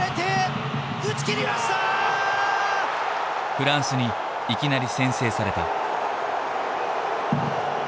フランスにいきなり先制された。